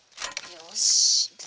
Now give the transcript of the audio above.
よし。